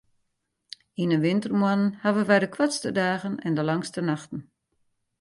Yn 'e wintermoannen hawwe wy de koartste dagen en de langste nachten.